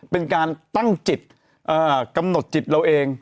เป็นการตั้งจิตกำหนดจิตเราเอง